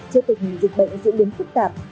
trước tình dịch bệnh diễn biến phức tạp